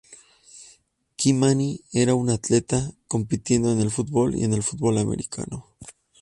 Ky-Mani era un atleta, compitiendo en el fútbol y el fútbol americano.